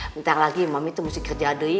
bentar lagi mami tuh mesti kerja deh